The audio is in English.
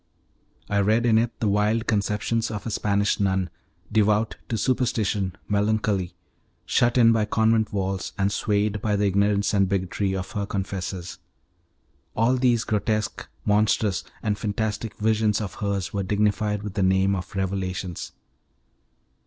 I read in it the wild conceptions of a Spanish nun, devout to superstition, melancholy, shut in by convent walls, and swayed by the ignorance and bigotry of her confessors. All these grotesque, monstrous, and fantastic visions of hers were dignified with the name of revelations.